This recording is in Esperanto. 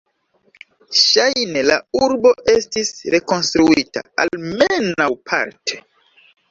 Ŝajne la urbo estis rekonstruita, almenaŭ parte.